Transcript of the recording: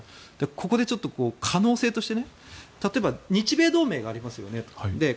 ここでちょっと可能性として例えば日米同盟がありますよねと。